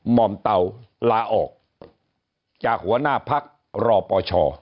ห่อมเตาลาออกจากหัวหน้าพักรอปช